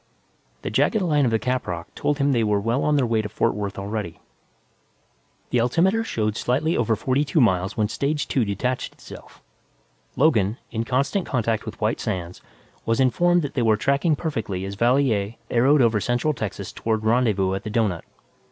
_ The jagged line of the caprock told him they were well on their way to Fort Worth already. The altimeter showed slightly over forty two miles when stage two detached itself. Logan, in constant contact with White Sands, was informed that they were tracking perfectly as Valier arrowed over central Texas toward rendezvous at the doughnut.